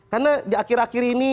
karena di akhir akhir ini